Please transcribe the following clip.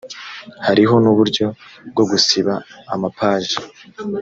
hariho n uburyo bwo gusiba amapaje